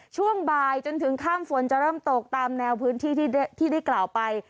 ช่วงบ่ายจนถึงข้ามฝนจะเริ่มตกตามแนวพื้นที่ที่ได้กล่าวไป